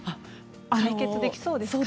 解決できそうですか。